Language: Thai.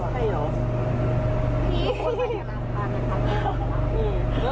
ไม่อ่ะ